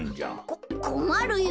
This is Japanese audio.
ここまるよ。